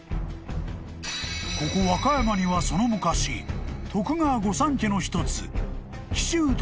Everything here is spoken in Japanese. ［ここ和歌山にはその昔徳川御三家の一つ］